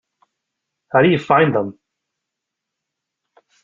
How do you find them?